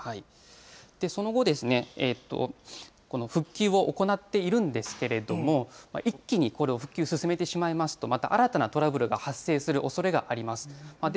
その後、復旧を行っているんですけれども、一気にこれを復旧を進めてしまいますと、また新たなトラブルが発生するおそれがあります。